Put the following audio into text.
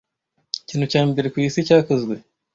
ikintu cya mbere ku isi cyakozwe